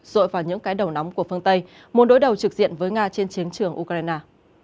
dội vào những cái đầu nóng của phương tây muốn đối đầu trực diện với nga trên chiến trường ukraine